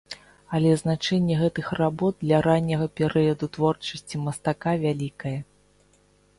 Але значэнне гэтых работ для ранняга перыяду творчасці мастака вялікае.